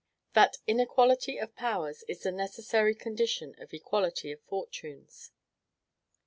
That Inequality of Powers is the Necessary Condition of Equality of Fortunes.